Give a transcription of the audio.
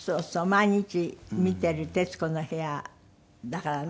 毎日見ている『徹子の部屋』だからね。